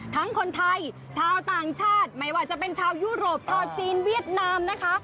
คนไทยชาวต่างชาติไม่ว่าจะเป็นชาวยุโรปชาวจีนเวียดนามนะคะ